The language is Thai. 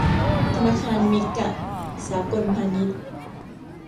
ธนาคารเมกะ สากลพาณิชย์